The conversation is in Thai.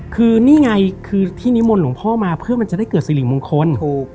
คือนี่ไงคือที่นิมนต์หลวงพ่อมาเพื่อมันจะได้เกิดสิริมงคล